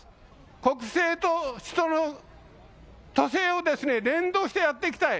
国政と首都の都政を連動してやっていきたい。